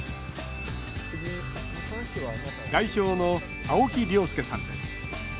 代表の青木亮輔さんです。